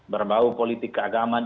berbau politik keagaman